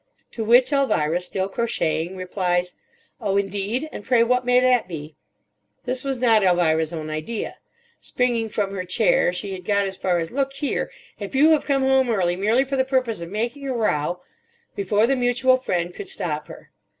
To which Elvira, still crocheting, replies, "Oh, indeed. And pray what may that be?" This was not Elvira's own idea. Springing from her chair, she had got as far as: "Look here. If you have come home early merely for the purpose of making a row—" before the mutual friend could stop her.